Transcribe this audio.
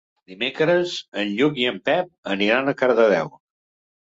Dimecres en Lluc i en Pep aniran a Cardedeu.